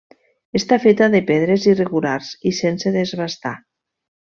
Està feta de pedres irregulars i sense desbastar.